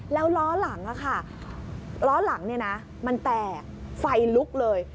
แล้วล้อหลังมันแตกไฟลุกเลย